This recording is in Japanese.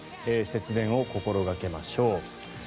節電を心掛けましょう。